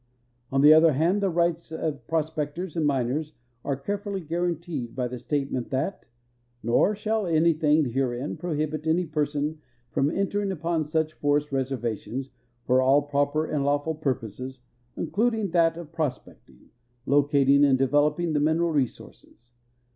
On the other hand, tiie rights of pros[)ectors and miners are care fully guarded by the statement that " nor shall anything herein prohibit an}' person from entering upon such forest reservations for all proj)er and lawful purposes, including that of prospecting, locating, and develo})ing the mineral resources.